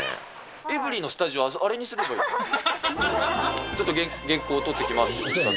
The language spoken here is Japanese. エブリィのスタジオ、あれにすればいいじゃん。